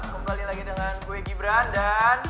kembali lagi dengan gue gibran dan